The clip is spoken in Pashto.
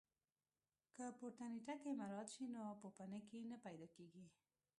که پورتني ټکي مراعات شي نو پوپنکي نه پیدا کېږي.